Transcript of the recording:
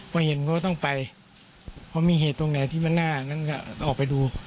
พอเห็นเขาก็ต้องไปเพราะมีเหตุตรงไหนที่มันหน้านั้นก็ออกไปดู